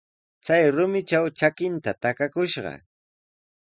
Chay rumitraw trakinta takakushqa.